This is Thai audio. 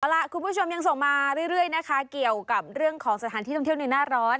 เอาล่ะคุณผู้ชมยังส่งมาเรื่อยนะคะเกี่ยวกับเรื่องของสถานที่ท่องเที่ยวในหน้าร้อน